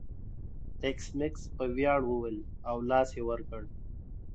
ایس میکس په ویاړ وویل او لاس یې ور کړ